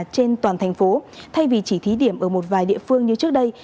trên toàn thành phố thay vì chỉ thí điểm ở một vài địa phương như trước đây